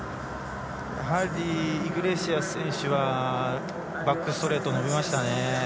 イグレシアス選手はバックストレート、伸びましたね。